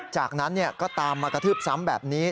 จากนั้นก็ตามมากระทืบซ้ำแบบนี้